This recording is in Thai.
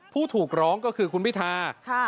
ผู้ถูกร้องก็คือคุณพิธา